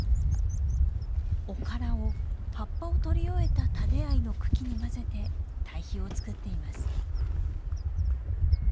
おからを葉っぱをとり終えたタデアイの茎にまぜて堆肥を作っています。